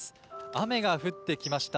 雨が降ってきました。